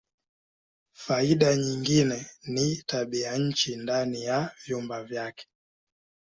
Faida nyingine ni tabianchi ndani ya vyumba vyake.